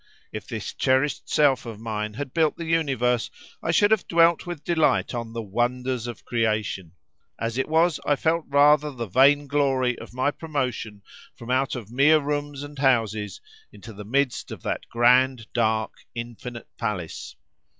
If this cherished self of mine had built the universe, I should have dwelt with delight on "the wonders of creation." As it was, I felt rather the vainglory of my promotion from out of mere rooms and houses into the midst of that grand, dark, infinite palace.